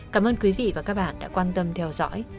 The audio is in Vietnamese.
cảm ơn quý vị và các bạn đã quan tâm theo dõi